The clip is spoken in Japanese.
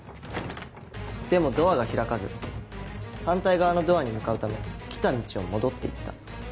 でもドアが開かず反対側のドアに向かうため来た道を戻って行った。